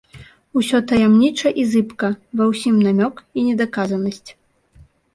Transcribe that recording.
Усё таямніча і зыбка, ва ўсім намёк і недаказанасць.